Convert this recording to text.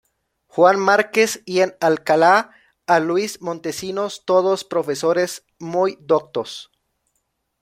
Juan Márquez y en Alcalá a Luis Montesinos, todos profesores muy doctos.